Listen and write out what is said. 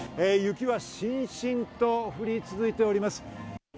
雪は、しんしんと降り続いております。